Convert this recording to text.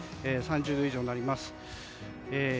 ３０度以上になります。